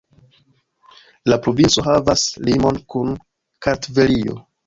La provinco havas limon kun Kartvelio.